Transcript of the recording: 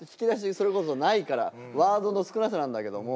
それこそないからワードの少なさなんだけども。